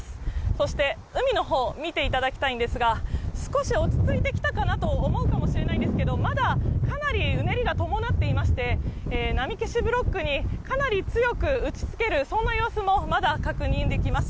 そして、海のほう見ていただきたいんですが、少し落ち着いてきたかなと思うかもしれないんですけど、まだかなりうねりが伴っていまして、波消しブロックにかなり強く打ちつける、そんな様子もまだ確認できます。